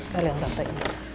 sekali yang tante ini